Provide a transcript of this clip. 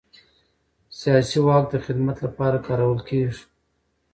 سیاسي واک د خدمت لپاره کارول کېږي